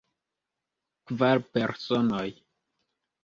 Kvar personoj.